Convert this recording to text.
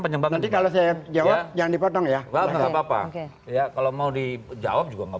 penyebab nanti kalau saya jawab jangan dipotong ya nggak apa apa ya kalau mau dijawab juga nggak